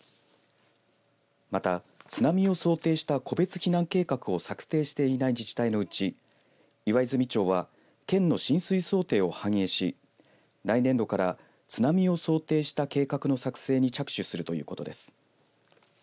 また津波を想定した個別避難計画を作成していない自治体のうち岩泉町は県の浸水想定を反映し来年度から津波を想定した計画の作成に着手するということです。